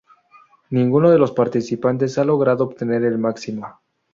Ninguno de los participantes ha logrado obtener el máximo.